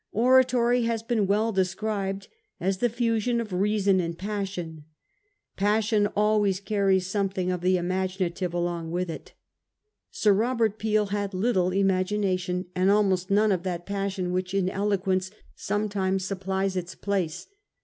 Oratory has been well described as the fusion of reason and passion. Passion always carries something oft'the imaginative along with it. Sir Robert Peel had little imagination, and almost none of that passion which in eloquence sometimes supplies its place.